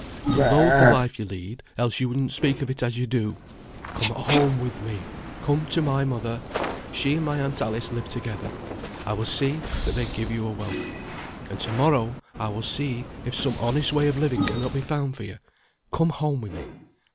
you loathe the life you lead, else you would not speak of it as you do. Come home with me. Come to my mother. She and my aunt Alice live together. I will see that they give you a welcome. And to morrow I will see if some honest way of living cannot be found for you. Come home with me."